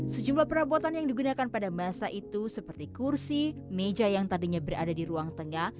sejumlah perabotan yang digunakan pada masa itu seperti kursi meja yang tadinya berada di ruang tengah